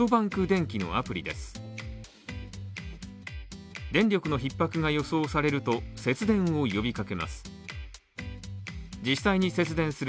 電力のひっ迫が予想されると節電を呼びかけます。